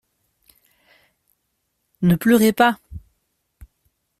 Ne pleurez pas.